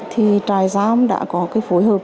trại giam đã có phối hợp